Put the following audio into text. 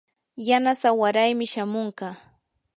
yanasaa waraymi shamunqa.